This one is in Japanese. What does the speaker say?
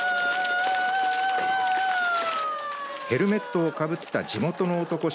ヘルメットをかぶった地元の男衆